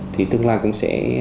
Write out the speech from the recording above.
thì tương lai cũng sẽ